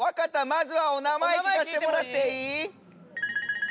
まずはお名前聞かせてもらっていい？